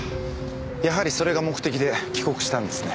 やはりそれが目的で帰国したんですね。